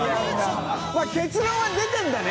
泙結論は出てるんだね。